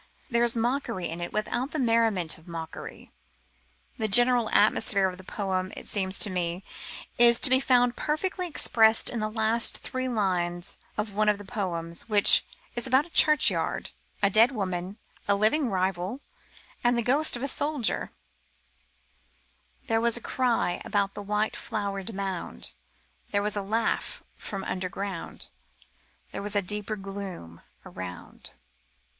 There is mockery in it without the merriment of mockery. The general atmosphere of the poems, it seems to me, is to be found perfectly expressed in the last three lines of one of the poems, which is about a churchyard, a dead woman, a living rival, and the ghost of a soldier: There was a cry by the white flowered mound, There was a laugh from underground, There was a deeper gloom around.